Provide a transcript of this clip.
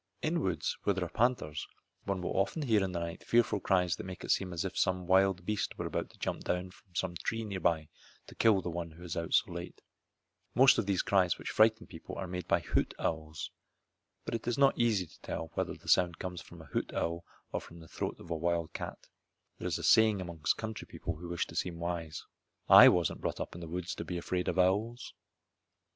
In woods where there are panthers one will often hear in the night fearful cries that make it seem as if some wild beast were about to jump down from some tree near by to kill the one who is out so late. Most of these cries which frighten people so are made by hoot owls. But it is not easy to tell whether the sound comes from a hoot owl or from the throat of a wild cat. There is a saying among country people who wish to seem wise: "I wasn't brought up in the woods to be afraid of owls."